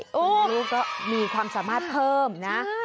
ลูกก็มีความสามารถเพิ่มนะ